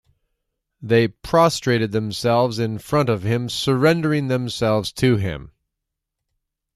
They prostrated themselves in front of Him surrendering themselves to him.